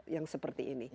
yang seperti ini